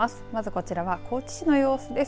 こちらは高知市の様子です。